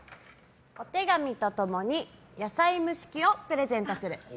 お手紙と共に野菜蒸し器をプレゼントする。